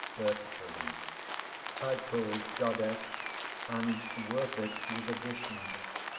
BERTRAM. Titled goddess; And worth it, with addition!